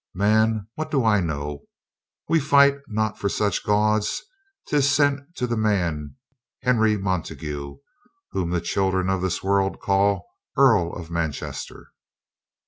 "Man, what do I know? We fight not for such gauds. 'Tis sent to the man Henry Montagu, whom the children of this world call Earl of Manchester."